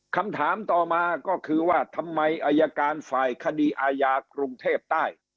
คำถามต่อมาก็คือว่าทำไมอายการฝ่ายคดีอาญากรุงเทพใต้